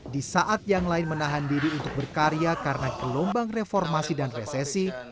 di saat yang lain menahan diri untuk berkarya karena gelombang reformasi dan resesi